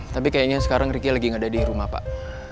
tapi kayaknya sekarang riki lagi enggak ada di rumah pak